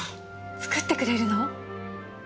作ってくれるの？